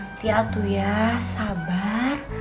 nanti atu ya sabar